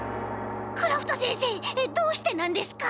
クラフトせんせいどうしてなんですか？